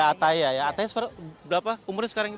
ataya berapa umurnya sekarang